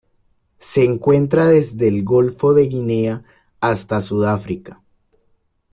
Se encuentra desde el Golfo de Guinea hasta Sudáfrica.